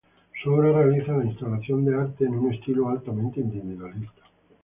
Su obra realiza la instalación de arte en un estilo altamente individualista.